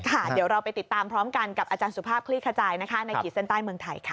เดี๋ยวเราไปติดตามพร้อมกันกับอาจารย์สุภาพคลี่ขจายนะคะในขีดเส้นใต้เมืองไทยค่ะ